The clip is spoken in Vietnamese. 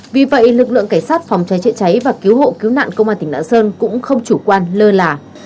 vì vậy lực lượng cảnh sát phòng cháy chữa cháy và cứu hộ cứu nạn công an tỉnh lạng sơn cũng không chủ quan lơ là